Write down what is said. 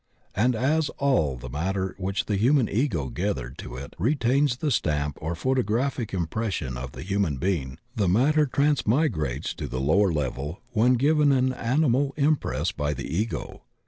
And as all the matter which the human Ego gathered to it retains the stamp or photographic impression of the human being, the matter transmigrates to the lower level when given an animal impress by the Ego.